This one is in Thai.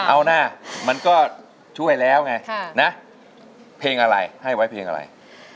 เอานะมันก็ช่วยแล้วไงนะเพลงอะไรให้ไว้เพลงอะไร